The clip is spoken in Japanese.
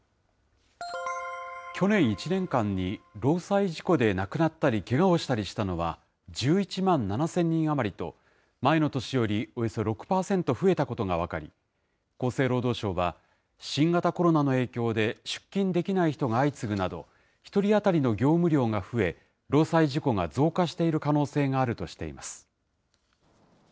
去年１年間に、労災事故で亡くなったりけがをしたりしたのは１１万７０００人余りと、前の年よりおよそ６％増えたことが分かり、厚生労働省は、新型コロナの影響で出勤できない人が相次ぐなど、１人当たりの業務量が増え、労災事故が増加している可能性があるとしています。